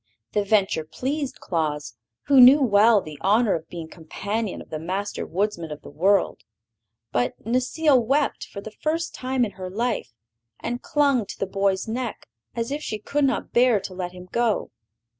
The venture pleased Claus, who knew well the honor of being companion of the Master Woodsman of the world. But Necile wept for the first time in her life, and clung to the boy's neck as if she could not bear to let him go.